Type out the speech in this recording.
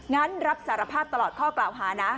งั้นรับสารภาพตลอดข้อกล่าวหานะ